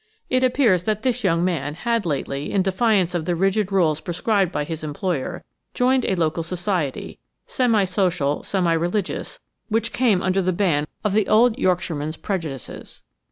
It appears that this young man had lately, in defiance of the rigid rules prescribed by his employer, joined a local society–semi social, semi religious–which came under the ban of the old Yorkshireman's prejudices.